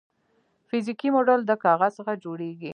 فزیکي موډل د کاغذ څخه جوړیږي.